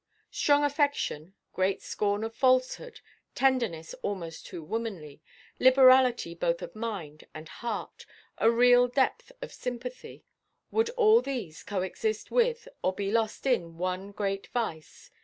Strong affection, great scorn of falsehood, tenderness almost too womanly, liberality both of mind and heart, a real depth of sympathy—would all these co–exist with, or be lost in, one great vice?